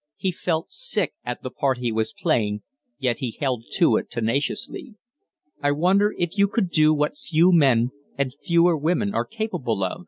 He felt sick at the part he was playing, yet he held to it tenaciously. "I wonder if you could do what few men and fewer women are capable of?"